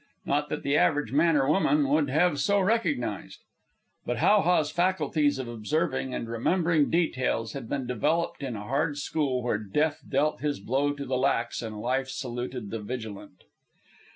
Not that the average man or woman would have so recognized. But How ha's faculties of observing and remembering details had been developed in a hard school where death dealt his blow to the lax and life saluted the vigilant.